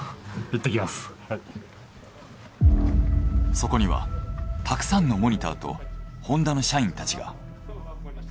そこにはたくさんのモニターとホンダの社員たちが。